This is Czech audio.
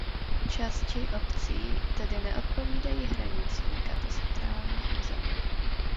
Části obcí tedy neodpovídají hranicím katastrálních území.